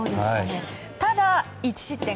ただ１失点。